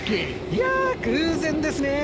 いや偶然ですね。